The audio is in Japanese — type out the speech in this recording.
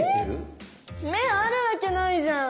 目あるわけないじゃん！